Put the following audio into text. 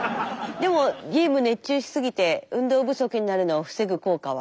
でもゲーム熱中しすぎて運動不足になるのを防ぐ効果は。